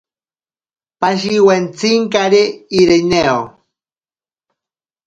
Pashiwentsinkari Irineo.